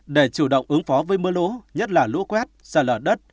để chủ động ứng phó với mưa lũ nhất là lũ quét sạt lọt đất